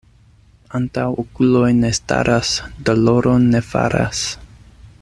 Antaŭ okuloj ne staras, doloron ne faras.